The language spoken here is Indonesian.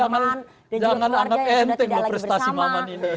jangan anggap enteng loh prestasi maman ini